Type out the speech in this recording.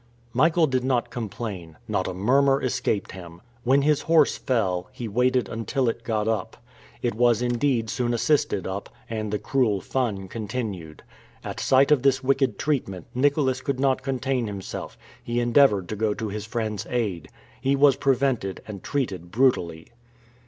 Michael did not complain. Not a murmur escaped him. When his horse fell, he waited until it got up. It was, indeed, soon assisted up, and the cruel fun continued. At sight of this wicked treatment, Nicholas could not contain himself; he endeavored to go to his friend's aid. He was prevented, and treated brutally.